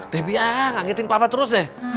debi ah kageting papa terus deh